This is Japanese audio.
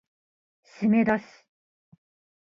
しめだし